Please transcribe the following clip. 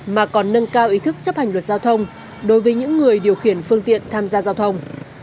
mà còn nâng cao ý thức chấp hành luật giao thông đối với những người điều khiển phương tiện tham gia giao thông